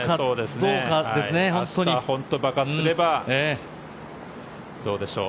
明日、本当に爆発すればどうでしょう。